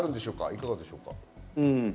いかがでしょうか？